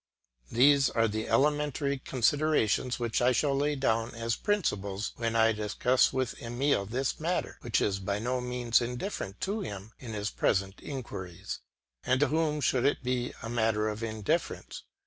These are the elementary considerations which I shall lay down as principles when I discuss with Emile this matter which is by no means indifferent to him in his present inquiries. And to whom should it be a matter of indifference?